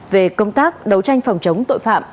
về công tác đấu tranh phòng chống tội phạm